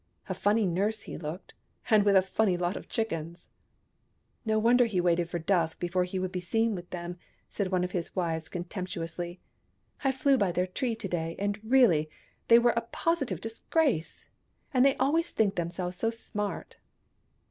A funny nurse he looked, and with a funny lot of chickens !"" No wonder he waited for dusk before he would be seen with them," said one of his wives con temptuously. " I flew by their tree to day, and really, they were a positive disgrace. And they always think themselves so smart